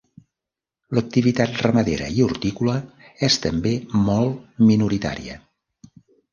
L'activitat ramadera i hortícola és també molt minoritària.